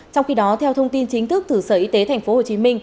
trong khi đó theo thông tin chính thức từ sở y tế tp hcm